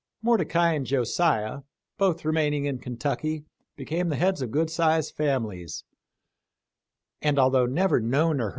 Mordecai and Josiah.f both remaining in Kentucky, became the heads of good sized families, and although never known or *W.